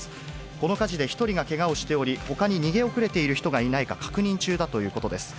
この火事で１人がけがをしており、ほかに逃げ遅れている人がいないか確認中だということです。